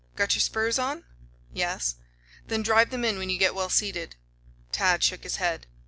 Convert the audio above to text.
Got your spurs on?" "Yes." "Then drive them in when you get well seated." Tad shook his head.